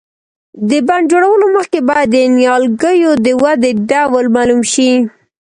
د بڼ جوړولو مخکې باید د نیالګیو د ودې ډول معلوم شي.